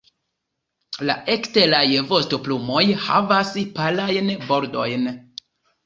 La eksteraj vostoplumoj havas palajn bordojn.